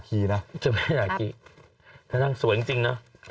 ใครพูดเป็นชื่อปันธิสา